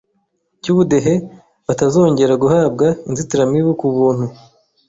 cy’ubudehe batazongera guhabwa inzitiramibu ku buntu